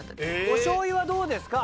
おしょうゆはどうですか？